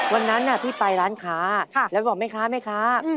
วันนั้นพี่ไปร้านค้าแล้วบอกแม่ค้าแม่ค้า